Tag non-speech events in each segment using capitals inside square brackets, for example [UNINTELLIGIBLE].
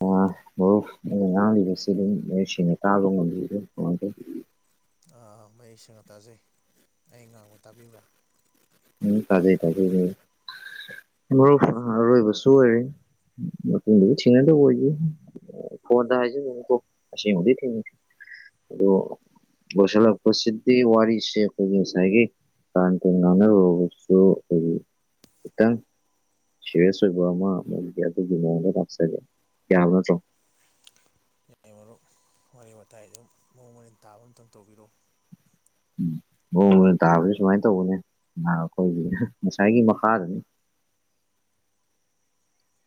ꯑꯣ ꯑꯣ ꯃꯉꯥ ꯁ ꯃꯅ ꯀꯥꯜ ꯃꯌꯦꯛ ꯁꯦꯡꯅ ꯇꯥꯖꯩ ꯑꯩ ꯉꯥꯡꯕ ꯇꯥꯕꯤꯕ꯭ꯔꯥ ꯎꯝ ꯇꯖꯩ ꯇꯖꯩ ꯃꯔꯨꯞ ꯑꯔꯣꯏꯕꯁꯨ ꯑꯣꯏꯔꯦ ꯃꯇꯨꯡꯗꯁꯨ ꯊꯦꯡꯅꯗꯕ ꯑꯣꯏꯈꯤ ꯐꯣꯟꯗ ꯍꯥꯏꯖꯅꯤꯡꯉꯤꯀꯣ ꯑꯁꯦꯡꯕꯗꯤ ꯊꯦꯡꯅꯁꯤ ꯑꯗꯣ ꯕꯁꯂ ꯄꯁꯤꯤ ꯋꯥꯔꯁꯦꯁꯥꯏꯒꯒꯤ ꯀꯟ ꯀ ꯅꯅ ꯏꯇꯪ ꯁꯤꯦꯔꯦꯁꯣꯏꯕ ꯃ ꯃ ꯂꯥꯛꯁ ꯀꯌꯥꯅꯠꯇꯣ [UNINTELLIGIBLE] ꯌꯥꯏ ꯃꯔꯨꯞ ꯋꯥꯔꯤ ꯋꯥꯇꯥꯏ ꯑꯗꯨꯝ ꯃꯑꯣꯡ ꯃꯟ ꯇꯥꯕ ꯑꯝꯇꯪ ꯇꯧꯕꯤꯔꯛꯎ ꯎꯝ ꯃꯑꯣꯡ ꯑꯣꯏꯅ ꯇꯥꯕꯁ ꯁꯨꯃꯥꯏꯅ ꯇꯧꯕꯅꯦ ꯑꯩꯈꯣꯏꯒꯤ ꯉꯁꯥꯏꯒꯤ ꯃꯈꯥꯗꯅꯤ [UNINTELLIGIBLE]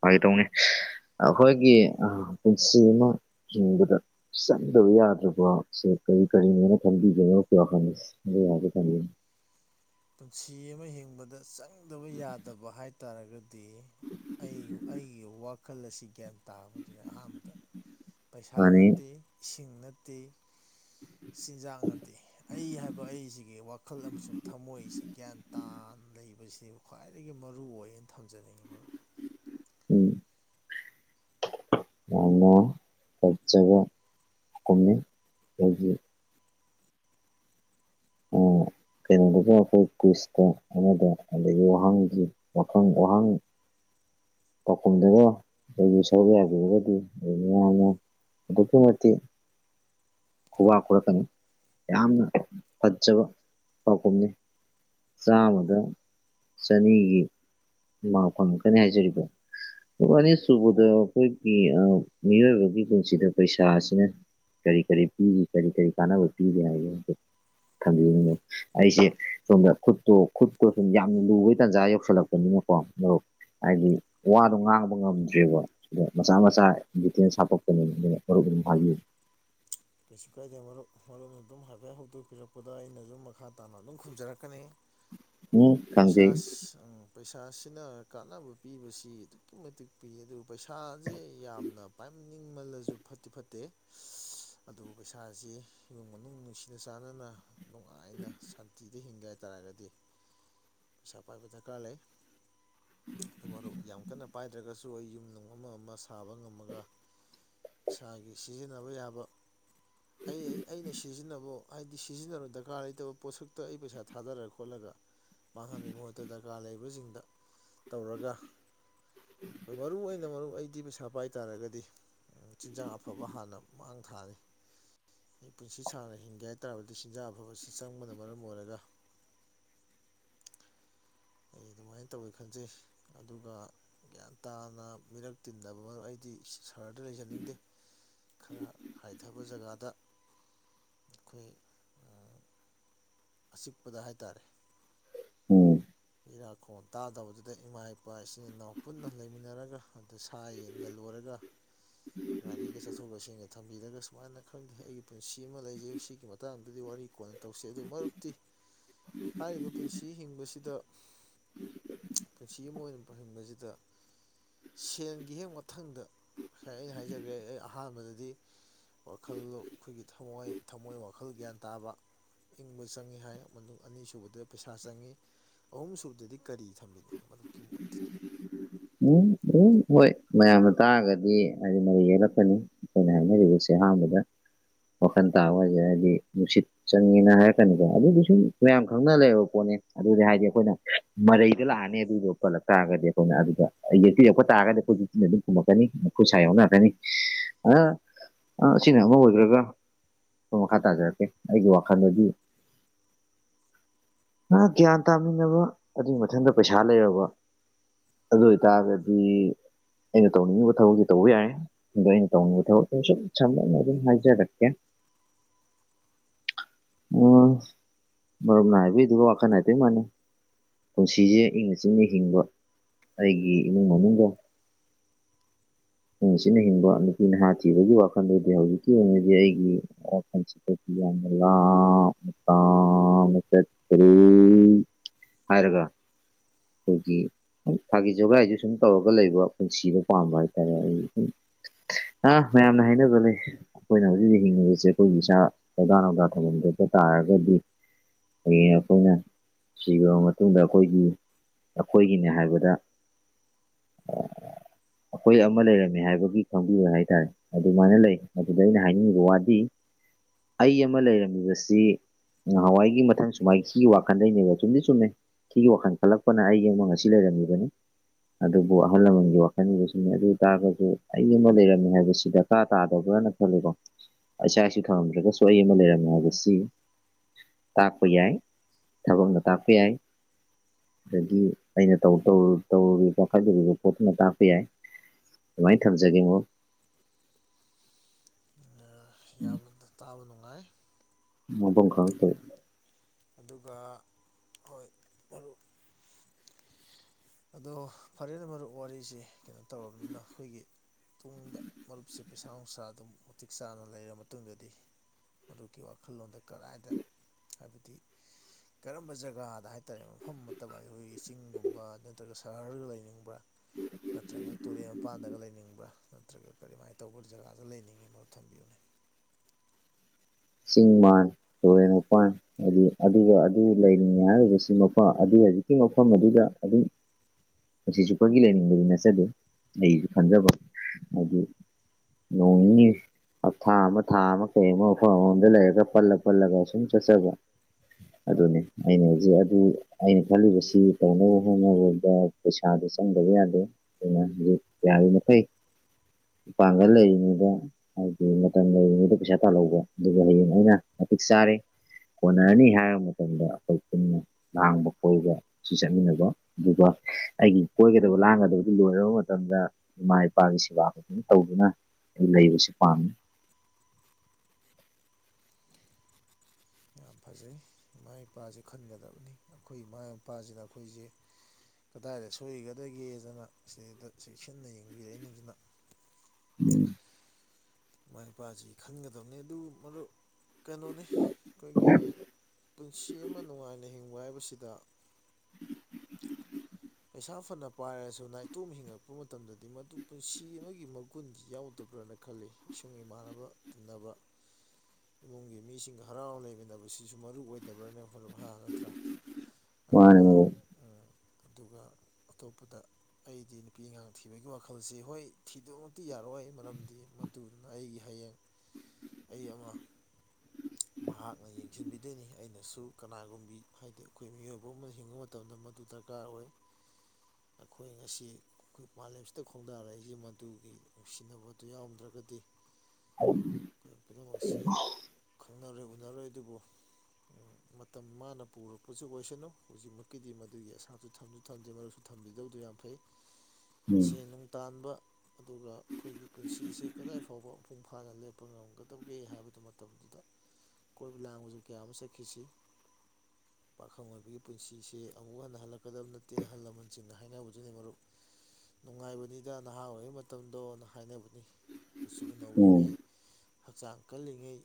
ꯐꯒꯤ ꯇꯧꯅꯦ ꯑꯩꯈꯣꯏꯒꯤ ꯄꯨꯟꯁꯤ ꯑꯃ ꯍꯤꯡꯕꯗ ꯆꯪꯗꯕ ꯌꯥꯗ꯭ꯔꯕ ꯀꯔꯤ ꯀꯔꯤꯅꯦꯅ ꯈꯟꯕꯤꯒ‌ꯦ ꯃꯔꯨꯞꯀꯤ ꯋꯥꯈꯜꯗ [UNINTELLIGIBLE] ꯊꯝꯕꯤꯌꯨꯅ‌ꯦ ꯄꯨꯟꯁꯤ ꯑꯃ ꯍꯤꯡꯕꯗ ꯆꯪꯗꯕ ꯌꯥꯗꯕ ꯍꯥꯏꯇꯥꯔꯒꯗꯤ ꯗꯤ ꯑꯩ ꯑꯩꯒꯤ ꯋꯥꯈꯜ ꯑꯁꯤ ꯒ꯭ꯌꯥꯟ ꯇꯥꯕꯗꯨꯅꯤ ꯑꯍꯥꯟꯕꯗ ꯄꯩꯁꯥ ꯃꯥꯅꯤ ꯅꯠꯇꯦ ꯏꯁꯤꯡ ꯅꯠꯇꯦ ꯆꯤꯟꯖꯥꯛ ꯅꯠꯇꯦ ꯑꯩ ꯍꯥꯏꯕ ꯑꯩꯁꯤꯒꯤ ꯋꯥꯈꯜ ꯑꯃꯁꯨꯡ ꯊꯝꯃꯣꯏ ꯑꯩꯁꯤ ꯒ꯭ꯌꯥꯟ ꯇꯥ ꯂꯩꯕꯁꯤ ꯈ꯭ꯋꯥꯏꯗꯒꯤ ꯃꯔꯨꯑꯣꯏꯅ ꯊꯝꯖꯅꯤꯡꯉꯤ ꯃꯔꯨꯞ ꯎꯝ ꯑ ꯀꯆꯒ [UNINTELLIGIBLE] ꯀꯃꯤ ꯂꯩ [UNINTELLIGIBLE] ꯑꯣꯝ ꯀꯩꯅꯣꯗꯒ ꯑꯩꯈꯣꯏ ꯀꯨꯏꯁꯇ ꯑꯃꯗ ꯑꯗꯒꯤ ꯋꯥꯍꯪꯒꯤ ꯋꯥꯥꯐꯝ ꯋꯥꯍꯪ ꯄꯥꯎꯈꯨꯝꯗꯒ ꯈ‌ꯣꯏꯒꯤ ꯁ‌ꯣꯏꯕ ꯌꯥꯗ‌ꯦꯒ [UNINTELLIGIBLE] ꯑꯗꯨꯛꯀꯤ ꯃꯇꯤꯛ ꯈꯨꯕꯥꯛ ꯈꯨꯔꯛꯀꯅꯤ ꯌꯥꯝꯅ ꯐꯖꯕ ꯄꯥꯎꯈꯨꯝꯅꯤ ꯆꯥꯝꯃꯗ ꯆꯅꯤꯒꯤ ꯃꯥꯛ ꯐꯪꯉꯛꯀꯅꯦ ꯍꯥꯏꯖꯔꯤꯕ ꯑꯅꯤ ꯁꯨꯕꯗ ꯑꯩꯈꯣꯏꯒꯤ ꯃꯤꯑꯣꯏꯕꯒꯤ ꯄꯨꯟꯁꯤꯗ ꯄꯩꯁꯥ ꯑꯁꯤꯅ ꯀꯔꯤ ꯀꯔꯤ ꯄꯤꯔꯤ ꯀꯔꯤ ꯀꯔꯤ ꯀꯥꯟꯅꯕ ꯄꯤꯔꯤ ꯍꯥꯏꯕ ꯊꯝꯕꯤꯅꯤꯡꯅꯦ ꯑꯩꯁꯦ ꯁꯣꯝꯗ ꯈꯨꯠꯇꯣ ꯈꯨꯠꯇ‌ꯣ ꯁꯨꯝ ꯌꯥꯝ ꯂꯨꯕꯒꯤ ꯇꯥꯟꯖꯥ ꯌꯧꯁꯜꯂꯛꯄꯅꯤ [UNINTELLIGIBLE] ꯍꯥꯏꯗꯤ ꯋꯥꯗꯣ ꯉꯥꯡꯕ ꯉꯝꯗ꯭ꯔꯦꯕ ꯁꯤꯗ ꯃꯆꯥ ꯃꯆꯥ ꯗꯤꯇꯦꯟꯁ ꯍꯥꯄꯛꯄꯅꯤꯅ ꯃꯔꯨꯞ ꯍꯥꯏꯌꯦ ꯀꯩꯁꯨ ꯀꯥꯏꯗꯦ ꯃꯔꯨꯞ ꯃꯔꯨꯞ ꯑꯗꯨꯝ ꯍꯥꯏꯐꯦꯠ ꯍꯧꯗꯣꯛꯄꯤꯔꯛꯄꯗ‌ꯣ ꯑꯩꯅꯁꯨ ꯃꯈꯥ ꯇꯥꯅ ꯑꯗꯨꯝ ꯈꯨꯝꯖꯔꯛꯀꯅꯤ ꯎꯝ ꯄꯩꯁꯥ ꯈꯪꯖꯩ ꯎꯝ ꯄꯩꯁꯥ ꯄꯩꯁꯥꯁꯤꯅ ꯀꯥꯟꯅꯕ ꯄꯤꯕꯁꯤ ꯑꯗꯨꯛꯀꯤ ꯃꯇꯤꯛ ꯄꯤ ꯑꯗꯨ ꯄꯩꯁꯥꯁꯦ ꯌꯥꯝꯅ ꯄꯥꯏꯅꯤꯡ ꯅꯤꯡꯃꯜꯂꯁꯨ ꯐꯠꯇꯤ ꯐꯠꯇꯦ ꯑꯗꯨ ꯄꯩꯁꯥꯁꯤ ꯏꯃꯨꯡ ꯃꯅꯨꯡ ꯅꯨꯡꯁꯤꯅ ꯆꯥꯟꯅꯅ ꯅꯨꯡꯉꯥꯏꯅ ꯁꯥꯟꯇꯤꯗ ꯍꯤꯡꯒ‌ꯦ ꯍꯥꯏ ꯇꯥꯔꯒꯗꯤ ꯄꯩꯁꯥ ꯄꯥꯏꯕ ꯗꯔꯀꯥꯔ ꯂꯩ ꯑꯗ‌ꯣ ꯃꯔꯨꯞ ꯌꯥꯝ ꯀꯟꯅ ꯄꯥꯏꯗ꯭ꯔꯒꯁꯨ ꯑ ꯑꯩ ꯌꯨꯝ ꯅꯨꯡ ꯑꯃ ꯑꯃ ꯁꯥꯕ ꯉꯝꯃꯒ ꯏꯁꯥꯒꯤ ꯁꯤꯖꯤꯟꯅꯕ ꯌꯥꯕ ꯑꯩ ꯑꯩꯅ ꯁꯤꯖꯤꯟꯅꯕ ꯍꯥꯏꯗꯤ ꯁꯤꯖꯤꯟꯅꯕ ꯗꯔꯀꯥꯔ ꯂꯩꯇꯕ ꯄꯣꯠꯁꯛꯇ ꯑꯩ ꯄꯩꯁꯥ ꯊꯥꯗꯔ ꯈꯣꯠꯂꯒ ꯃꯥꯡꯍꯟꯕꯒꯤ ꯃꯍꯨꯠꯇ ꯗꯔꯀꯥꯔ ꯂꯩꯕꯁꯤꯡꯗ ꯇꯧꯔꯒ ꯃꯔꯨ ꯑꯣꯏꯅ ꯃꯔꯨꯞ ꯑꯩꯗꯤ ꯄꯩꯁꯥ ꯄꯥꯏ ꯇꯥꯔꯒꯗꯤ ꯆꯤꯟꯖꯥꯛ ꯑꯐꯕ ꯍꯥꯟꯅ ꯃꯥꯡ ꯊꯥꯅꯤ ꯃꯤ ꯄꯨꯟꯁꯤ ꯁꯥꯡꯅ ꯍꯤꯡꯒꯦ ꯍꯥꯏ ꯇꯥꯔꯕꯗꯤ ꯆꯤꯟꯖꯥꯛ ꯑꯐꯕ ꯑꯁꯤ ꯆꯪꯕꯅ ꯃꯔꯝ ꯑꯣꯏꯔꯒ [INAUDIBLE] ꯑꯩ [INAUDIBLE] ꯑꯗꯨꯃꯥꯏꯅ ꯇꯧꯋꯤ ꯈꯟꯖꯩ ꯑꯗꯨꯒ ꯒ꯭ꯌꯥꯟ ꯇꯥꯅ ꯃꯤꯔꯛ ꯇꯤꯟꯗꯕ ꯃꯔꯨꯞ ꯑꯩꯗꯤ ꯁꯍꯥꯔꯗ ꯂꯩꯖꯅꯤꯡꯗꯦ ꯈꯔ ꯍꯥꯏꯊꯕ ꯖꯒꯥꯗ ꯑꯩꯈꯣꯏ ꯑꯆꯤꯛꯄꯗ ꯍꯥꯏꯇꯥꯔꯦ ꯑꯣ ꯏꯔꯥꯛꯈꯣꯝ ꯇꯥꯗꯕꯗꯨꯗ ꯏꯃꯥ ꯏꯄꯥ ꯏꯆꯤꯟ ꯏꯅꯥꯎ ꯄꯨꯟꯅ ꯂꯩꯃꯤꯟꯅꯔꯒ ꯑꯗꯨ ꯁꯥ ꯌꯦꯟꯒ ꯂꯣꯏꯔꯒ [UNINTELLIGIBLE] ꯒꯥꯔꯤꯒ ꯆꯠꯊꯣꯛ ꯆꯠꯁꯤꯟꯒ ꯊꯝꯕꯤꯔꯒ ꯁꯨꯃꯥꯏꯅ ꯈꯪꯗꯦ ꯑꯩꯒꯤ ꯄꯨꯟꯁꯤ ꯑꯃ ꯂꯩꯖꯩ ꯁꯤꯒꯤ ꯃꯇꯥꯡꯗꯗꯤ ꯋꯥꯔꯤ ꯑꯩ ꯀꯣꯟꯅ ꯇꯧꯁꯤ ꯑꯗꯨ ꯃꯔꯨꯞꯇꯤ ꯍꯥꯏꯔꯤꯕ ꯄꯨꯟꯁꯤ ꯍꯤꯡꯕꯁꯤꯗ ꯎꯝ ꯄꯨꯟꯁꯤ ꯑꯃ ꯑꯣꯏꯅ ꯐꯪꯍꯟꯕꯁꯤꯗ ꯁꯦꯟꯒꯤ ꯍꯦꯛ ꯃꯊꯪꯗ ꯉꯁꯥꯏ ꯑꯩꯅ ꯍꯥꯏꯖꯒꯦ ꯑꯩ ꯑꯍꯥꯟꯕꯗꯗꯤ ꯋꯥꯈꯜ ꯑꯩꯈꯣꯏꯒꯤ ꯊꯃꯣꯏ ꯊꯝꯃꯣꯏ ꯋꯥꯈꯜ ꯒ꯭ꯌꯥꯟ ꯇꯥꯕ ꯏꯪꯕ ꯆꯪꯏꯤ ꯍꯥꯏ ꯃꯇꯨꯡ ꯑꯅꯤꯁꯨꯨꯕꯗ ꯄꯩꯁꯥ ꯆꯪꯉꯤ ꯑꯍꯨꯝ ꯁꯨꯕꯗꯗꯤ ꯀꯔꯤ ꯊꯝꯕꯤꯅꯤ ꯃꯗꯨꯨꯞꯀꯤ ꯃꯣꯠꯇꯗꯤ ꯎꯝ ꯎꯝ ꯍꯣꯏ ꯃꯌꯥꯝꯅ ꯇꯥꯔꯒꯗꯤ ꯍꯥꯏꯗꯤ ꯃꯗꯨ ꯌꯦꯛꯂꯛꯀꯅꯤ ꯑꯩꯈꯣꯏꯅ ꯍꯥꯏꯅꯔꯤꯕꯁꯦ ꯑ ꯃꯗ ꯋꯥꯈꯟ ꯇꯥꯕ ꯍꯥꯏꯁꯦ ꯍꯥꯏꯗꯤ ꯅꯨꯡꯁꯤꯠ ꯆꯪꯉꯦꯅ ꯍꯥꯏꯔꯛꯀꯅꯤꯀꯣ ꯑꯗꯨꯗꯤ ꯁꯨꯝ ꯃꯌꯥꯝ ꯈꯪꯅ ꯂꯩꯕ ꯄꯣꯠ ꯑꯗꯨꯗꯤ ꯍꯥꯏꯗꯤ ꯑꯩꯈꯣꯏꯅ ꯃꯔꯩꯗ ꯂꯥꯛꯑꯅꯤ ꯑꯗꯨꯗꯣ ꯄꯜꯂꯛ ꯇꯥꯔꯒꯗꯤ ꯑꯩꯈꯣꯏꯅ ꯑꯗꯨꯗ ꯌꯦꯛꯇꯤ ꯌꯣꯛꯄ ꯇꯥꯔꯒꯗꯤ ꯑꯩꯈꯣꯏꯇꯤꯅ ꯑꯗꯨꯝ ꯈꯨꯝꯃꯛꯀꯅꯤ ꯃꯈꯨꯠꯁꯥ ꯌꯧꯅꯔꯛꯀꯅꯤ ꯑ ꯑ ꯁꯤꯅꯦꯃꯥ ꯍꯗ꯭ꯔꯒ ꯑꯩ ꯃꯈꯥ ꯇꯥꯖꯔꯛꯀꯦ ꯑꯩꯒꯤ ꯋꯥꯈꯜꯗꯗꯤ ꯒ꯭ꯌꯥꯟ ꯇꯥꯃꯤꯟꯅꯕ ꯑꯗꯨꯒꯤ ꯃꯊꯪꯗ ꯄꯩꯁꯥ ꯂꯩꯔꯕ ꯑꯗꯨ ꯑꯣꯏꯇꯥꯒꯗꯤ ꯑꯩꯅ ꯇꯧꯅꯤꯡꯉꯤꯕ ꯊꯕꯛꯇꯁ ꯇꯧꯕ ꯌꯥꯔꯦ ꯑꯗꯣ ꯑꯩꯅ ꯇꯧꯅꯤꯡꯕ ꯊꯕꯛꯇ ꯁꯨꯝ ꯁꯝꯅ ꯑꯗꯨꯝ ꯍꯥꯏꯖꯔꯛꯀꯦ [INAUDIBLE] ꯎꯝ ꯃꯔꯨꯞꯅ ꯍꯥꯏꯕꯤꯗꯨꯒ ꯋꯥꯈꯔ ꯍꯥꯏꯐꯦꯠ ꯃꯥꯅꯦ ꯄꯨꯟꯁꯤꯁꯦ ꯏꯪꯅ ꯆꯤꯅ ꯍꯤꯡꯕ ꯑꯩꯒꯤ ꯅꯤꯡꯉꯣ ꯅꯤꯡꯕꯣ ꯅꯨꯡꯁꯤꯅ ꯍꯤꯡꯕ ꯅꯨꯄꯤ ꯅꯍꯥ ꯊꯤꯕꯒꯤ ꯋꯥꯈꯜꯗꯨꯗꯤ ꯍꯧꯖꯤꯛꯀꯤ ꯑꯣꯏꯅꯗꯤ ꯑꯩꯒꯤ ꯋꯥꯁꯤ ꯃꯠꯇꯥꯡ ꯆꯠꯇꯔꯤ ꯍꯥꯏꯔꯒ ꯑꯩꯈꯣꯏꯒꯤ ꯊꯥꯒꯤ ꯖꯣꯒꯥꯏꯗꯨ ꯁꯨꯝ ꯇꯧꯔꯒ ꯂꯩꯕ ꯄꯨꯟꯁꯤꯗꯣ ꯄꯥꯝꯕ ꯍꯥꯏꯇꯥꯔꯦ ꯑꯥ ꯃꯌꯥꯝꯅ ꯍꯥꯏꯅꯕ ꯂꯩ ꯑꯩꯈꯣꯏꯅ ꯍꯧꯖꯤꯛ ꯍꯧꯛ ꯍꯤꯡꯉꯤꯕꯁꯦ ꯑꯩꯈꯣꯏꯒꯤ ꯏꯁꯥ ꯊꯧꯗꯥ ꯧꯗꯥ ꯊꯧꯍꯟ ꯊꯣꯛꯄ ꯇꯥꯔꯒꯗꯤ ꯍꯌꯦꯡ ꯑꯩꯈꯣꯏꯅ ꯁꯤꯈꯔꯕ ꯃꯇꯨꯡꯗ ꯑꯩꯈꯣꯏꯒꯤ ꯑꯩꯈꯣꯏꯒꯤꯅꯦ ꯍꯥꯏꯕꯗ ꯑꯩꯈꯣꯏ ꯑꯃ ꯂꯩꯔꯝꯃꯦ ꯍꯥꯏꯕꯒꯤ ꯈꯪꯕꯤꯕ ꯍꯥꯏꯇꯥꯔꯦ ꯑꯗꯨꯃꯥꯏꯅ ꯂꯩ ꯑꯗꯨꯗ ꯑꯩꯅ ꯍꯥꯏꯅꯤꯡꯉꯤꯕ ꯋꯥꯗꯤ ꯑꯩ ꯑꯃ ꯂꯩꯔꯝꯃꯤꯕꯁꯤ ꯅꯍꯥꯟꯋꯥꯏꯒꯤ ꯃꯊꯪ ꯁꯨꯃꯥꯏ ꯁꯤ ꯋꯥꯈꯜꯗꯅꯦꯕ ꯆꯨꯝꯗꯤ ꯆꯨꯝꯃꯦ ꯁꯤꯒꯤ ꯋꯥꯈꯜ ꯈꯜꯂꯛꯄꯅ ꯑꯩꯒꯤ ꯑꯃ ꯑꯁꯤ ꯂꯩꯔꯝꯃꯤꯕꯅꯤ ꯑꯗꯨꯕꯨ ꯑꯍꯜ ꯂꯃꯟꯒꯤ ꯋꯥꯈꯜꯁꯨ ꯁꯤꯅꯦ ꯑꯗꯨ ꯑꯣꯏ ꯇꯥꯔꯒꯁꯨ ꯑꯩ ꯑꯃ ꯂꯩꯔꯝꯃꯦ ꯍꯥꯏꯕꯁꯤ ꯗꯔꯀꯥꯔ ꯇꯥꯗꯕ꯭ꯔꯥꯅ ꯈꯜꯂꯦꯀꯣ ꯆꯥꯛꯁꯨ ꯈꯥꯝꯗ꯭ꯔꯒꯁꯨ ꯑꯩ ꯑꯃ ꯂꯩꯔꯝꯃꯦ ꯍꯥꯏꯕꯁꯤ ꯇꯥꯛꯄ ꯌꯥꯏ ꯊꯕꯛꯅ ꯇꯥꯛꯄ ꯌꯥꯏ ꯑꯗꯒꯤ ꯑꯩꯅ ꯇꯧ ꯇꯧꯔꯨꯔꯤꯕ ꯄꯈꯠꯗꯣꯔꯤꯕ ꯄꯣꯠꯇꯨꯅ ꯇꯥꯛꯄ ꯌꯥꯏ ꯑꯗꯨꯃꯥꯏꯅ ꯊꯝꯖꯒꯦꯉꯣ ꯌꯥꯕꯗ ꯇꯥꯕꯅꯅꯨꯡꯉ ꯐꯝꯝ ꯀ ꯐ ꯑꯗꯨꯒ ꯍꯣꯏ ꯃꯔꯨꯞ ꯑꯗꯣ ꯐꯔꯦꯅꯦ ꯃꯔꯨꯞ ꯋꯥꯔꯤꯁꯦ ꯀꯩꯅꯣ ꯇꯧꯔꯕꯅꯤꯅ ꯑꯩꯈꯣꯏꯒꯤ ꯇꯨꯡꯗ ꯃꯔꯨꯞꯁꯦ ꯄꯩꯁꯥ ꯅꯨꯡꯁꯥ ꯑꯗꯨꯝ ꯃꯇꯤꯛ ꯆꯥꯅ ꯂꯩꯔꯕ ꯃꯇꯨꯡꯗꯗꯤ ꯃꯗꯨꯒꯤ ꯋꯥꯈꯜꯂꯣꯟꯗ ꯀꯗꯥꯏꯗ ꯍꯥꯏꯕꯗꯤ [INAUDIBLE] ꯀꯔꯝꯕ ꯖꯒꯥꯗ ꯍꯥꯏꯇꯥꯔꯦ ꯃꯐꯝ ꯑꯃꯠꯇ ꯑꯩꯈꯣꯏꯒꯤ ꯆꯤꯡꯒꯨꯝꯕ ꯅꯠꯇ꯭ꯔꯒ ꯁꯍꯔꯒ ꯂꯩꯅꯤꯡꯕ꯭ꯔꯥ ꯅꯠꯇ꯭ꯔꯒ ꯇꯨꯔꯦꯜ ꯃꯄꯥꯟꯗꯒ ꯂꯩꯅꯤꯡꯕ꯭ꯔ ꯅꯠꯇ꯭ꯔꯒ ꯀꯔꯤꯃꯥꯏꯅ ꯇꯧꯕ ꯖꯒꯥꯗ ꯂꯩꯅꯤꯡꯉꯤ ꯃꯔꯨꯞ ꯊꯝꯕꯤꯌꯨꯅꯦ [INAUDIBLE] ꯆꯤꯡ ꯃꯥꯟ ꯇꯨꯔꯦꯟ ꯃꯄꯥꯟ ꯍꯥꯏꯗꯤ ꯑꯗꯨꯒ ꯑꯗꯨ ꯂꯩꯔꯤꯉ ꯍꯥꯏꯔꯤꯕꯁꯤ ꯃꯄꯥ ꯍꯧꯖꯤꯛꯀꯤ ꯃꯐꯝ ꯑꯗꯨꯗ ꯑꯗꯨꯝ ꯃꯁꯤꯁꯨ ꯑꯩꯈꯣꯏꯒꯤ ꯂꯩꯅꯤꯡꯕꯗꯤ ꯅꯠꯆꯗꯦ ꯑꯩꯁꯨ ꯈꯟꯖꯕ ꯍꯥꯏ ꯅꯣꯡꯅꯤ ꯑꯊꯥ ꯑꯃ ꯊꯥ ꯑꯃ ꯀꯩ ꯑꯃ ꯑ ꯑꯃꯗ ꯂꯩꯔꯒ ꯄꯜꯂ ꯄꯜꯂꯒ ꯁꯨꯝ ꯆꯠꯆꯕ ꯑꯗꯨꯅꯦ ꯑꯩꯅ ꯍꯧꯖꯤꯛ ꯑꯗꯨ ꯑꯩꯅ ꯈꯜꯂꯤꯕꯁꯤ ꯇꯧꯅꯕ ꯍꯣꯠꯅꯕꯗ ꯄꯩꯁꯥꯗꯣ ꯆꯪꯗꯕ ꯌꯥꯗꯦ ꯑꯗꯨꯩꯅ ꯍꯧꯖꯤꯛ ꯌꯥꯔꯤꯃꯩ ꯃꯄꯥꯡꯒꯜ ꯂꯩꯔꯤꯉꯩꯗ ꯍꯥꯏꯕꯗꯤ ꯃꯇꯝ ꯂꯩꯔꯤꯉꯩꯗ ꯄꯩꯁꯥ ꯇꯥꯜꯍꯧꯕ ꯑꯗꯨꯒ ꯍꯌꯦꯡꯃꯅ ꯃꯇꯤꯛ ꯆꯥꯔꯦ ꯀꯣꯟꯅꯔꯅꯤ ꯍꯥꯏꯕ ꯃꯇꯝꯗ ꯑꯩꯈꯣꯏ ꯄꯨꯟꯅ ꯂꯥꯡꯕ ꯈꯣꯏꯕ ꯁꯤ ꯆꯠꯃꯤꯟꯅꯕ ꯑꯗꯨꯒ ꯑꯩꯒꯤ ꯀꯣꯏꯒꯗꯕ ꯂꯥꯡꯒꯗꯕꯗꯨ ꯂꯣꯏꯔꯕ ꯃꯇꯝꯗ ꯏꯃꯥ ꯏꯄꯥꯒꯤ ꯁꯦꯕꯥ ꯐꯖꯅ ꯇꯧꯗꯨꯅ ꯂꯩꯕꯁꯤ ꯄꯝꯃꯤ ꯌꯥꯝ ꯐꯖꯩ ꯏꯃꯥ ꯏꯄꯥꯁꯦ ꯈꯟꯒꯗꯕꯅꯤ ꯑꯩꯈꯣꯏ ꯏꯃꯥ ꯏꯄꯥꯁꯤꯅ ꯑꯩꯈꯣꯏꯁꯦ ꯀꯗꯥꯏꯗ ꯁꯣꯏꯒꯗꯒꯦꯗꯅ ꯁꯤꯗ ꯆꯦꯛꯁꯤꯟꯅ ꯌꯦꯡꯕꯤꯔꯛꯏꯩꯅ ꯑꯗꯨꯅ ꯎꯝ ꯃꯃꯥ ꯏꯄꯥꯁꯤ ꯈꯟꯒꯗꯕꯅꯤ ꯑꯗꯨ ꯃꯔꯨꯞ ꯀꯩꯅꯣꯅꯤ ꯑꯩꯈꯣꯏꯒꯤ ꯄꯨꯟꯁꯤ ꯑꯃ ꯅꯨꯡꯉꯥꯏꯅ ꯍꯤꯡꯕ ꯍꯥꯏꯕꯁꯤꯗ ꯄꯩꯁꯥ ꯐꯅ ꯄꯥꯏꯔꯁꯨ ꯅꯥꯏꯇꯣꯝ ꯍꯤꯡꯉꯛꯄ ꯃꯇꯝꯗꯗꯤ ꯃꯗꯨ ꯄꯨꯟꯁꯤ ꯑꯃꯒꯤ ꯃꯒꯨꯟ ꯌꯥꯎꯗꯕ ꯐꯕ꯭ꯔꯅ ꯈꯜꯂꯤ ꯏꯁꯨꯡ ꯏꯃꯥꯟꯅꯕ ꯇꯤꯟꯅꯕ ꯏꯃꯨꯡꯒꯤ ꯃꯤꯁꯤꯡꯒ ꯍꯔꯥꯎ ꯂꯩꯃꯤꯟꯅꯕꯁꯤꯁꯨ ꯃꯔꯨꯑꯣ ꯑꯣꯏꯗꯕ꯭ꯔꯅꯦ ꯃꯔꯨꯞ ꯅꯠꯇ꯭ꯔꯥ ꯑꯗꯨꯒ ꯃꯥꯅꯤ ꯑꯗꯨꯒ ꯑꯇꯣꯞꯄꯗ ꯑꯩꯗꯤ ꯅꯨꯄꯤ ꯑꯉꯥꯡ ꯊꯤꯕꯒꯤ ꯋꯥꯈꯜꯁꯤ ꯍꯣꯏ ꯊꯤꯗꯣꯛꯃꯛꯇꯤ ꯌꯥꯔꯣꯏ ꯃꯔꯝꯗꯤ ꯑꯗꯨꯗꯨꯅ ꯑꯩꯒꯤ ꯍꯌꯦꯡ ꯑꯩ ꯑꯃ ꯎꯝ ꯃꯍꯥꯛꯅ ꯌꯦꯡꯁꯤꯟꯕꯤꯗꯣꯏꯅꯤ ꯑꯩꯅꯁꯨ ꯀꯅꯥꯒꯨꯝꯕꯤ ꯍꯥꯏꯗꯤ ꯑꯩꯈꯣꯏ ꯃꯤꯑꯣꯏꯕ ꯑꯃꯅ ꯍꯤꯡꯕ ꯃꯇꯝꯗ ꯃꯗꯨꯗ ꯗꯔꯀꯥꯔ ꯑꯣꯏ ꯑꯩꯈꯣꯏ ꯉꯁꯤ ꯃꯥꯂꯦꯝꯁꯤꯗ ꯈꯣꯡꯗꯥꯔꯛꯏꯁꯤꯦ ꯃꯗꯨꯒꯤ ꯅꯨꯡꯁꯤꯅꯕꯗꯨ ꯌꯥꯎꯔꯝꯗ꯭ꯔꯒꯗꯤ ꯍ ꯑꯩꯈꯣꯏ ꯄꯨꯝꯅꯃꯛꯁꯤ ꯈꯪꯅꯔꯣꯏ ꯎꯅꯔꯣꯏ ꯑꯗꯨꯕꯨ ꯃꯇꯝ ꯃꯥꯅ ꯄꯨꯔꯛꯄꯁꯨ ꯑꯣꯏꯁꯅꯨ ꯍꯧꯖꯤꯛꯃꯛꯀꯤꯗꯤ ꯃꯗꯨꯒꯤ ꯑꯁꯥ ꯑꯗꯨ ꯊꯝꯁꯨ ꯊꯝꯗꯦ ꯃꯔꯛꯁꯨ ꯊꯝꯕꯤꯗꯕꯗꯨ ꯌꯥꯝ ꯐꯩ ꯁꯦꯟ ꯅꯨꯡ ꯇꯥꯟꯕ ꯑꯗꯨꯒ ꯑꯩꯈꯣꯏꯒꯤ ꯄꯨꯟꯁꯤꯁꯦ ꯀꯗꯥꯏ ꯐꯥꯎꯕ ꯃꯄꯨꯡ ꯐꯥꯅ ꯂꯦꯞꯄ ꯉꯝꯒꯗꯕꯒꯦ ꯍꯥꯏꯕꯗꯨ ꯃꯇꯝꯗꯨꯗ [UNINTELLIGIBLE] ꯀꯣꯏ ꯄꯤ ꯂꯥꯒꯖ ꯀ ꯑꯃ ꯁꯦꯈꯈꯤꯁꯤ ꯄꯥꯈꯪ ꯑꯣꯏꯕꯒꯤ ꯄꯨꯟꯁꯤꯁꯦ ꯑꯃꯨꯛ ꯍꯟꯅ ꯍꯜꯂꯛꯄ ꯂꯥꯛꯀꯗꯕ ꯅꯠꯇꯦ ꯑꯍꯜ ꯂꯃꯟꯁꯤꯡꯅ ꯍꯥꯏꯅꯕꯗꯨꯅꯤ ꯃꯔꯨꯞ ꯅꯨꯡꯉꯥꯏꯕꯅꯤꯗ ꯅꯍꯥ ꯑꯣꯏꯔꯤꯉꯩ ꯃꯇꯝꯗꯣꯅ ꯍꯥꯏꯅꯕꯅꯤ ꯀꯨꯠꯁꯨ ꯃꯔꯨꯞ ꯎꯝ ꯎꯝ ꯅꯧꯔꯤꯉꯩ ꯍꯛꯆꯥꯡ ꯀꯜꯂꯤꯉꯩ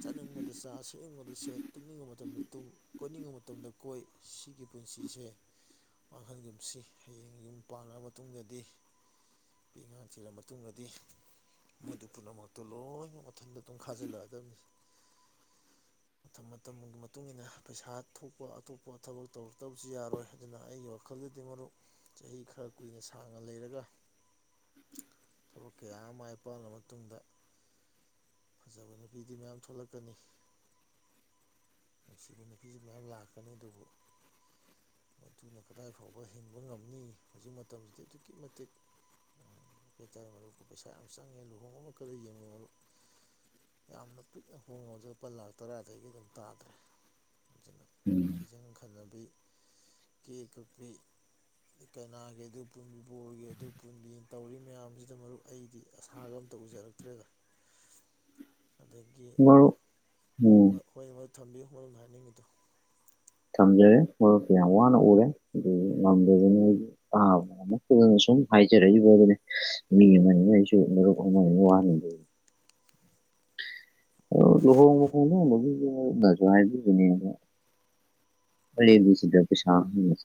ꯆꯥꯅꯤꯡꯕꯗ ꯆꯥ ꯁꯛꯅꯤꯡꯕꯗ ꯁꯦꯠ ꯇꯨꯝꯅꯤꯡꯕ ꯃꯇꯝꯗ ꯇꯨꯝ ꯀꯣꯏꯅꯤꯡꯕ ꯃꯇꯝꯗ ꯀꯣꯏ ꯁꯤꯒꯤ ꯄꯨꯟꯁꯤ ꯃꯁꯤꯁꯦ ꯃꯥꯡꯍꯟꯒꯨꯝꯁꯤ ꯍꯌꯦꯡ ꯌꯨꯝ ꯄꯥꯡꯉ ꯃꯇꯨꯡꯗꯗꯤ ꯄ ꯉꯥꯡꯁꯤꯤꯜꯂ ꯃꯇꯨꯡꯗꯗꯤ ꯃꯗꯨ ꯄꯨꯝꯅꯃꯛꯇꯣ ꯂꯣꯏꯅꯃꯛ ꯃꯊꯟꯇ ꯑꯗꯨꯝ ꯈꯥꯖꯤꯜꯂꯛꯑꯗꯕꯅꯤ ꯃꯇꯝ ꯃꯇꯝꯒꯤ ꯃꯇꯨꯡ ꯃꯇꯨꯡꯏꯟꯅ ꯄꯩꯁꯥ ꯊꯣꯛꯄ ꯑꯇꯣꯞꯄ ꯊꯕꯛ ꯇꯧ ꯇꯧꯕꯁꯨ ꯌꯥꯔꯣꯏ ꯑꯗꯨꯅ ꯑꯩꯒꯤ ꯋꯥꯈꯜꯗꯗꯤ ꯃꯔꯨꯞ ꯆꯍꯤ ꯈꯔ ꯀꯨꯏꯅ ꯁꯥꯡꯅ ꯂꯩꯔꯒ ꯑꯣ ꯀꯌꯥ ꯃꯥꯏ ꯄꯥꯛꯜꯂ ꯃꯇꯨꯡꯗ ꯐꯖꯕ ꯅꯨꯄꯤꯗꯤ ꯃꯌꯥꯝ ꯊꯣꯛꯂꯛꯀꯅꯤ ꯉ ꯕꯤꯅꯤꯐꯤꯁꯤ ꯃꯌꯥꯝ ꯂꯥꯛꯀꯅꯤ ꯑꯗꯨꯕꯨ [UNINTELLIGIBLE] ꯃꯗꯨꯅ ꯀꯗꯥꯏ ꯐꯥꯎꯕ ꯍꯤꯡꯕ ꯉꯝꯅꯤ ꯍꯧꯖꯤꯛ ꯃꯇꯝꯁꯤꯗꯤ ꯑꯗꯨꯛꯀꯤ ꯃꯇꯤꯛ ꯀ ꯍꯥꯏꯇꯥꯔꯦ ꯃꯔꯨꯞ ꯄꯩꯁꯥ ꯌꯥꯝ ꯆꯪꯉꯦ ꯂꯨꯍꯣꯡꯕ ꯑꯃꯈꯛꯇ ꯌꯦꯡꯉꯦ ꯃꯔꯨꯞ ꯌꯥꯝꯅ ꯄꯤꯛꯅ ꯍꯣꯡꯉꯨꯁꯨ ꯂꯨꯄꯥ ꯂꯥꯛ ꯇꯔꯥꯗꯒꯤ ꯑꯗꯨꯝ ꯇꯥꯗ꯭ꯔꯦ ꯎꯝ ꯀꯕꯤ ꯀꯦ ꯀꯄꯤ ꯀꯩꯅꯥꯒꯤ ꯑꯗꯨ ꯄꯨꯟꯕꯤ ꯕꯣꯔꯒꯤ ꯑꯗꯨ ꯄꯨꯟꯕꯤ ꯇꯧꯔꯤ ꯃꯌꯥꯝꯁꯤꯗ ꯃꯔꯨꯞ ꯑꯩꯗꯤ ꯑꯁꯥꯒ ꯑꯝꯇ ꯎꯖꯔꯛꯇ꯭ꯔꯦꯒ ꯎ ꯑꯗꯒꯤ ꯍꯣꯏ ꯃꯗꯨ ꯊꯝꯕꯤꯌꯨ ꯃꯔꯣꯝꯗ ꯍꯥꯏꯅꯤꯡꯉꯤꯗꯣ ꯊꯝꯖꯔꯦ ꯃꯔꯨꯞꯁ ꯌꯥꯝ ꯋꯥꯅ ꯎꯔꯦ ꯑꯗꯨ ꯉꯝꯗꯗꯅ ꯑꯗꯨ ꯍꯥꯏꯖꯔꯛꯏꯕ ꯑꯗꯨꯅꯦ ꯃꯤ ꯑꯃꯉꯥꯏꯁꯨ ꯃꯔꯨꯞ ꯑꯃ ꯋꯥꯅꯤꯗ ꯂ ꯅꯁꯨꯅꯤ ꯁꯤ ꯁ ꯐ ꯃ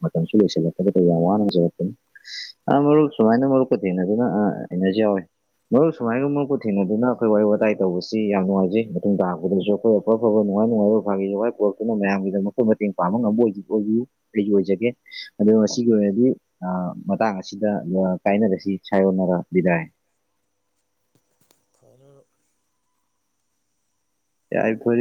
ꯃꯇꯝꯁꯨꯁꯂꯦ ꯌꯥꯝ ꯋꯥꯖꯄ ꯑꯥ ꯃꯔꯨꯞ ꯁꯨꯃꯥꯏꯅ ꯃꯔꯨꯞꯀ ꯊꯦꯡꯅꯗꯨꯅꯩꯅꯔ ꯌꯥꯎꯋꯦ ꯃꯔꯨꯞ ꯁꯨꯃꯥꯏꯒꯨꯝ ꯃꯔꯄꯨ ꯊꯦꯡꯅꯗꯨꯅ ꯑꯩꯈꯣꯏ ꯋꯥꯔꯤ ꯋꯥꯇꯥꯏ ꯇꯧꯕꯁꯤ ꯌꯥꯝ ꯅꯨꯡꯉꯥꯏꯖꯩ ꯃꯇꯨꯡ ꯇꯥꯔꯛꯄꯗꯁꯨ ꯑꯩꯈꯣꯏ ꯑꯐ ꯑꯐꯕ ꯅꯨꯡꯉꯥꯏ ꯅꯨꯡꯉꯥꯏꯕ ꯐꯋꯥꯏ ꯄꯔꯛꯇꯨꯅ ꯃꯌꯥꯝꯒꯤꯗꯃꯛꯇ ꯃꯇꯦꯡ ꯄꯥꯡꯕ ꯉꯝꯕ ꯑꯣꯏ ꯑꯩ ꯑꯣꯏꯖꯒꯦ ꯑꯗꯣ ꯃꯁꯤꯒꯤ ꯑꯣꯏꯅꯗꯤ ꯃꯇꯥꯡ ꯑꯁꯤꯗ ꯀꯥꯏꯅꯔꯁꯤ ꯁꯥꯏꯌꯣꯟꯅꯔꯕꯤꯗꯥꯏ [UNINTELLIGIBLE] ꯐꯅꯤ ꯃꯔꯨꯞ ꯌꯥꯏ ꯐ